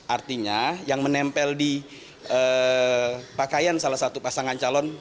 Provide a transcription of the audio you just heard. artinya yang menempel di pakaian salah satu pasangan calon